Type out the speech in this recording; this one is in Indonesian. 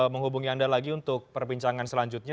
menghubungi anda lagi untuk perbincangan selanjutnya